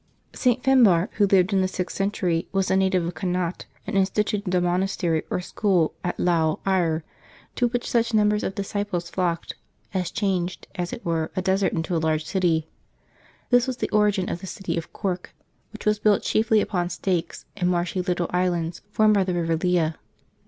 St. Fikbarr, who lived in the sixth century, was a na tive of Connaught, and instituted a monastery or school at Sefiembeb 26] LIVES OF THE SAINTS 323 Lougii Eire, to which such numbers of disciples flocked, as changed, as it were, a desert into a large city. This was the origin of the city of Cork, which was built chiefly upon stakes, in marshy little islands formed by the river Lea.